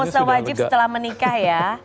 ini posta posta wajib setelah menikah ya